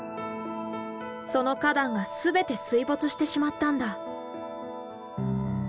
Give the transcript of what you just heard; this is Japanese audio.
その花壇が全て水没してしまったんだ。